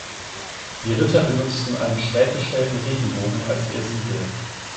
Die Ritter benutzten einen schräggestellten Regenbogen als ihr Siegel.